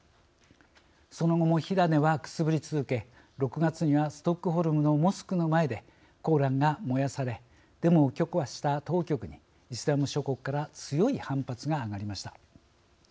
その後も火種は、くすぶり続け６月にはストックホルムのモスクの前でコーランが燃やされデモを許可した当局にイスラム諸国から強い反発が上がりました。